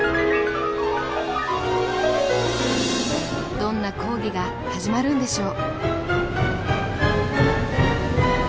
どんな講義が始まるんでしょう？